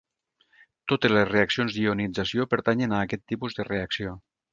Totes les reaccions d'ionització pertanyen a aquest tipus de reacció.